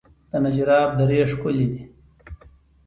د نجراب درې ښکلې دي